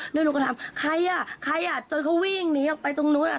แล้วหนูก็ถามใครอ่ะใครอ่ะจนเขาวิ่งหนีออกไปตรงนู้นอ่ะ